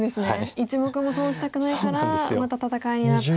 １目も損したくないからまた戦いになって。